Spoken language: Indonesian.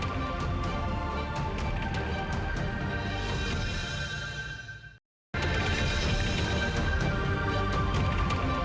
ini sudah dikonsumsi oleh masyarakat dan masyarakat yg tempat berpengalaman jelas